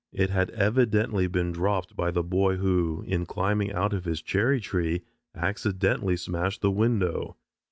It had evidently been dropped by the boy who, in climbing out of his cherry tree, accidentally smashed the window.